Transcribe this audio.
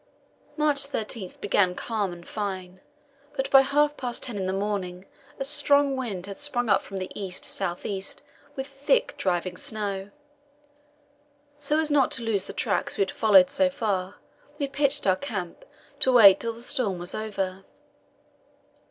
March 13 began calm and fine, but by half past ten in the morning a strong wind had sprung up from the east south east with thick driving snow. So as not to lose the tracks we had followed so far, we pitched our camp, to wait till the storm was over.